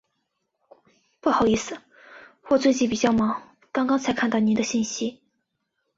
不好意思，我最近比较忙，刚刚才看到您的信息。